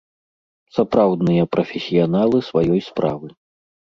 Сапраўдныя прафесіяналы сваёй справы.